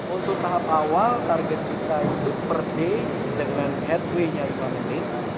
untuk tahap awal target kita itu per day dengan headway nya lima menit